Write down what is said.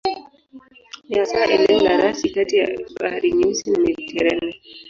Ni hasa eneo la rasi kati ya Bahari Nyeusi na Mediteranea.